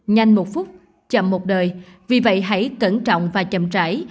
nhanh một phút chậm một đời vì vậy hãy cẩn trọng và chậm trễ